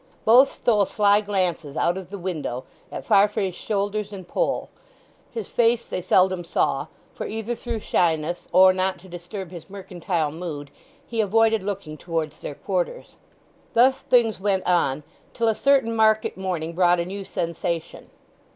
Both stole sly glances out of the window at Farfrae's shoulders and poll. His face they seldom saw, for, either through shyness, or not to disturb his mercantile mood, he avoided looking towards their quarters. Thus things went on, till a certain market morning brought a new sensation.